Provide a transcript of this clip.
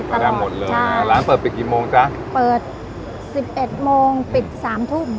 ไม่ได้หมดเลยอ่าร้านเปิดปิดกี่โมงจ๊ะเปิดสิบเอ็ดโมงปิดสามทุ่ม